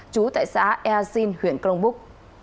chú tại xã ea xin huyện cờ long búc